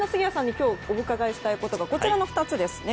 今日お伺いしたいのはこの２つですね。